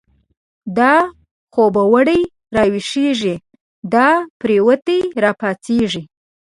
دا خوب و ړی را ویښیږی، دا پریوتی را پاڅیږی